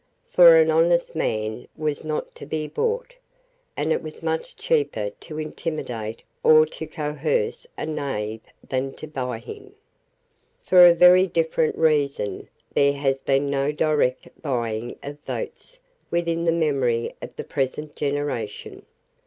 For an honest man was not to be bought; and it was much cheaper to intimidate or to coerce a knave than to buy him. For a very different reason there has been no direct buying of votes within the memory of the present generation.